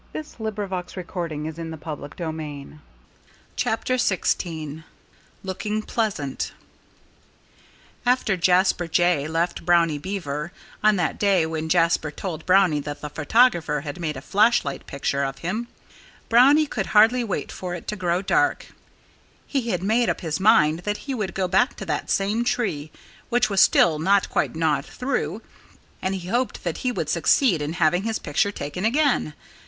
[Illustration: The Chain Caught on a Bush and Tripped Him] XVI LOOKING PLEASANT After Jasper Jay left Brownie Beaver, on that day when Jasper told Brownie that the photographer had made a flashlight picture of him, Brownie could hardly wait for it to grow dark. He had made up his mind that he would go back to that same tree, which was still not quite gnawed through; and he hoped that he would succeed in having his picture taken again.